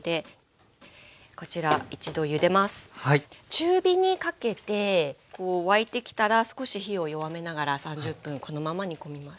中火にかけて沸いてきたら少し火を弱めながら３０分このまま煮込みます。